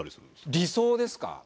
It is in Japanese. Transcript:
理想ですか？